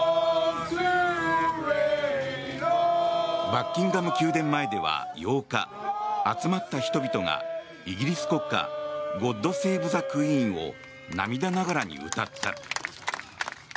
バッキンガム宮殿前では８日集まった人々がイギリス国歌「ゴッド・セーブ・ザ・クイーン」を涙ながらに歌った。